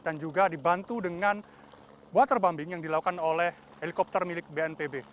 dan juga dibantu dengan waterbombing yang dilakukan oleh helikopter milik bnpb